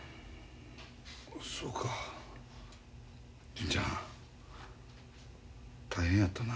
そうか純ちゃん大変やったな。